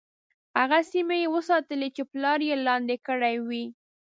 هغه سیمي یې وساتلې چې پلار یې لاندي کړې وې.